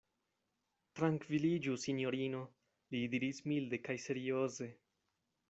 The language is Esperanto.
Trankviliĝu, sinjorino, li diris milde kaj serioze.